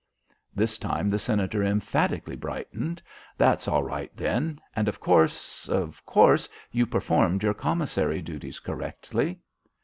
This time the Senator emphatically brightened. "That's all right, then. And of course of course you performed your commissary duties correctly?"